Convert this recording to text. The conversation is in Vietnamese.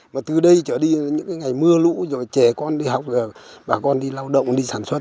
mà từ đây trở đi những cái ngày mưa lũ rồi trẻ con đi học rồi bà con đi lao động đi sản xuất